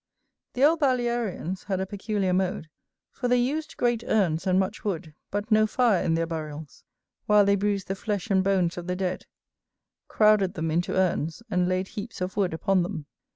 The old Balearians had a peculiar mode, for they used great urns and much wood, but no fire in their burials, while they bruised the flesh and bones of the dead, crowded them into urns, and laid heaps of wood upon them.